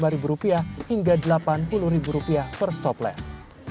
tiga puluh lima ribu rupiah hingga delapan puluh ribu rupiah per stopless